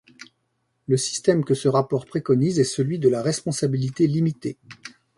Le système que ce rapport préconise est celui de la responsabilité limitée.